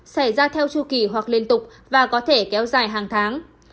xảy ra theo chu kỳ hoặc liên tục và có thể kéo dài hàng tháng